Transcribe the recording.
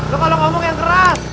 lo kalau ngomong yang keras